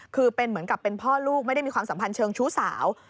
คือเป็นเหมือนกับเป็นพ่อลูกไม่ได้มีความสัมพันธ์เชิงชู้สาว